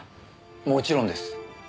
もちろんです。